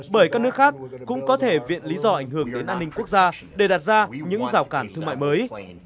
bởi các nước khác cũng có thể viện lý do ảnh hưởng đến an ninh quốc gia để đạt ra những rào cản thương mại mới